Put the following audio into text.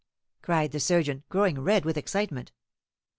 cried the surgeon, growing red with excitement.